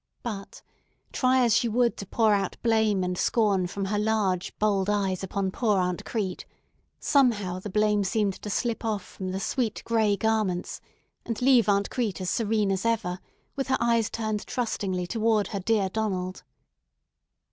But, try as she would to pour out blame and scorn from her large, bold eyes upon poor Aunt Crete, somehow the blame seemed to slip off from the sweet gray garments, and leave Aunt Crete as serene as ever, with her eyes turned trustingly toward her dear Donald.